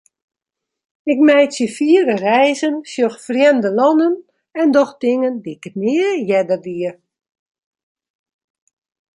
Ik meitsje fiere reizen, sjoch frjemde lannen, doch dingen dy'k nea earder die.